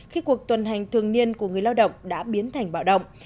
khi cuộc tuần hành thường niên của người lao động đã biến thành bạo động